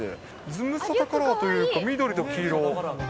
ズムサタカラーというか、緑と黄色。